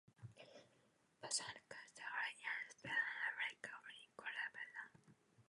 Both are constructed in steel and are clad in Colorbond.